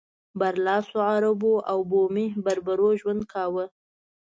برلاسو عربو او بومي بربرو ژوند کاوه.